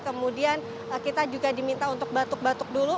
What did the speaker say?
kemudian kita juga diminta untuk batuk batuk dulu